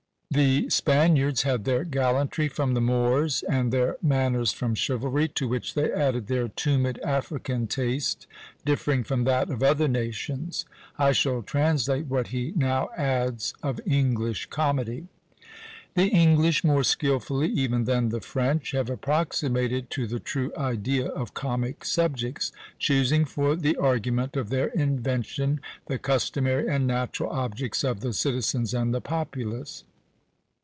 The Spaniards had their gallantry from the Moors, and their manners from chivalry; to which they added their tumid African taste, differing from that of other nations. I shall translate what he now adds of English comedy. "The English, more skilfully even than the French, have approximated to the true idea of comic subjects, choosing for the argument of their invention the customary and natural objects of the citizens and the populace.